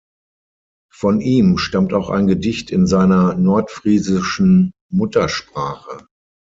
Von ihm stammt auch ein Gedicht in seiner nordfriesischen Muttersprache.